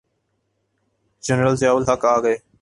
General Zia ul Haq آ گئے۔